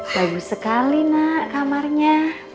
bagus sekali nak kamarnya